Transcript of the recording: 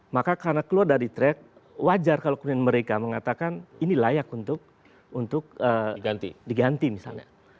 maka karena keluar dari track wajar kalau kemudian mereka mengatakan ini layak untuk diganti misalnya